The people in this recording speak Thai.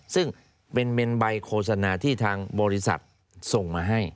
ซึ่งเป็นใบโฆษณาที่ทางบริษัทส่งมาให้